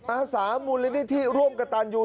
อาสามูลนิธิร่วมกับตันยู